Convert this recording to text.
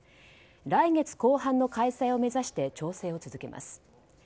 来月後半の開催を目指して調整を続けます。